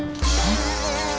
iya betul sekali bu